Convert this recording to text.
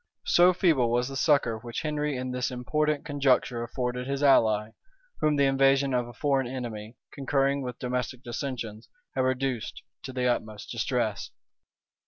So feeble was the succor which Henry in this important conjuncture afforded his ally, whom the invasion of a foreign enemy, concurring with domestic dissensions, had reduced to the utmost distress.